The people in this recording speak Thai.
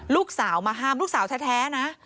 ลูกสาวมาห้ามลูกสาวแท้นะ